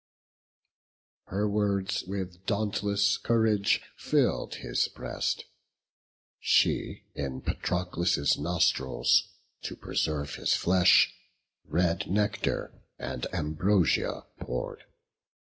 Her words with dauntless courage fill'd his breast. She in Patroclus' nostrils, to preserve His flesh, red nectar and ambrosia pour'd.